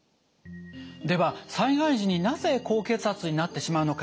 では災害時になぜ高血圧になってしまうのか。